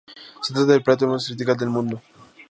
Se trata del plató más vertical del mundo.